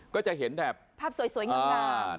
ก็จะเห็นแบบภาพสวยงาม